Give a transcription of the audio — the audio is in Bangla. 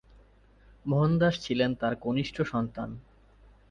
মোহনদাস ছিলেন তার কনিষ্ঠ সন্তান।